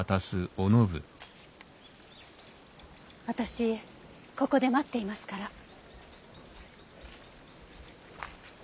私ここで待っていますから。